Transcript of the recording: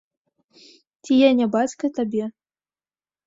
Ці я не бацька табе?